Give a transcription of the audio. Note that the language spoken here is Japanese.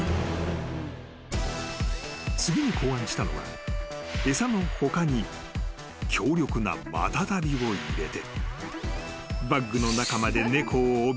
［次に考案したのは餌の他に強力なマタタビを入れて］